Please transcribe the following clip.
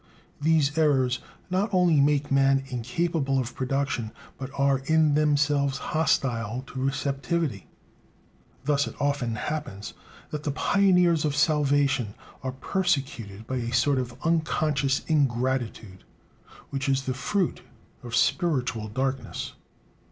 These errors not only make man incapable of production, but are in themselves hostile to receptivity. Thus it often happens that the pioneers of salvation are persecuted by a sort of unconscious ingratitude, which is the fruit of spiritual darkness.